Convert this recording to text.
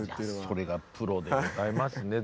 それがプロでございますね。